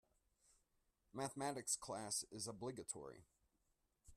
Mathematics class is obligatory.